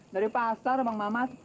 dari pasar bang mamat